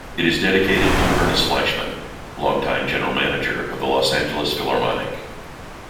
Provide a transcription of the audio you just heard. It is dedicated to Ernest Fleischmann, long-time general manager of the Los Angeles Philharmonic.